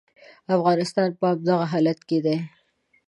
افغانستان په همدغه حالت کې دی.